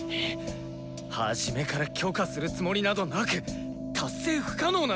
初めから許可するつもりなどなく達成不可能な条件を！